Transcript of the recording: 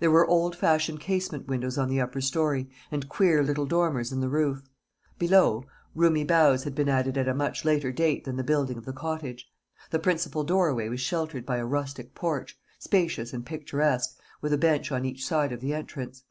There were old fashioned casement windows on the upper story, and queer little dormers in the roof. Below, roomy bows had been added at a much later date than the building of the cottage. The principal doorway was sheltered by a rustic porch, spacious and picturesque, with a bench on each side of the entrance.